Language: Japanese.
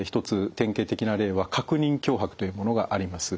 典型的な例は確認強迫というものがあります。